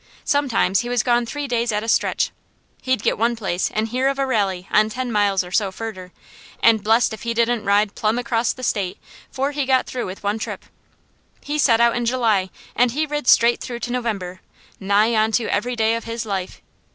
Sometimes he was gone three days at a stretch. He'd git one place an' hear of a rally on ten miles or so furder, an' blest if he didn't ride plum acrost the state 'fore he got through with one trip. He set out in July, and he rid right straight through to November, nigh onto every day of his life.